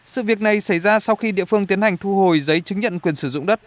sự việc này xảy ra sau khi địa phương tiến hành thu hồi giấy chứng nhận quyền sử dụng đất